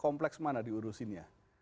kompleks mana diurusin ya